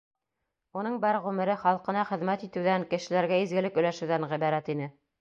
Уның бар ғүмере халҡына хеҙмәт итеүҙән, кешеләргә изгелек өләшеүҙән ғибәрәт ине.